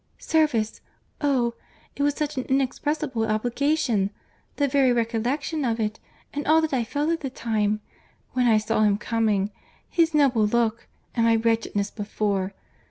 "Service! oh! it was such an inexpressible obligation!—The very recollection of it, and all that I felt at the time—when I saw him coming—his noble look—and my wretchedness before.